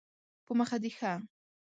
په مخه دې ښه